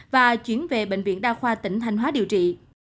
và chuyển về bệnh viện đa khoa tỉnh thanh hóa điều trị